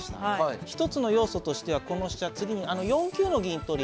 一つの要素としてはこの飛車次に４九の銀取り。